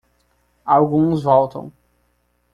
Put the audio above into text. Alguns voltam.